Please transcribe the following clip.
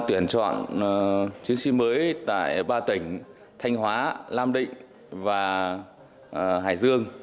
tuyển chọn chiến sĩ mới tại ba tỉnh thanh hóa nam định và hải dương